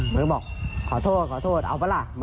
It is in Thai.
มันก็บอกขอโทษขอโทษเอาปะล่ะ